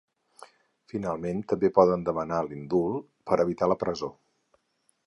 Finalment també poden demanar l’indult per evitar la presó.